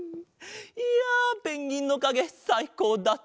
いやペンギンのかげさいこうだった！